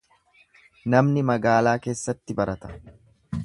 Namni magaalaa keessatti barata.